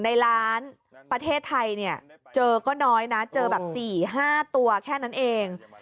ในล้านประเทศไทยเนี่ยเจอก็น้อยนะเจอแบบ๔๕ตัวแค่นั้นเอง